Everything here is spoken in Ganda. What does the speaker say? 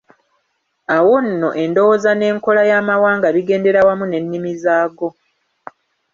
Awo nno endowooza n'enkola y'amawanga bigendera wamu n'ennimi zaago.